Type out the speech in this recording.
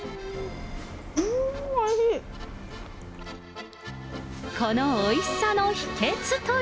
うーん、おいしい。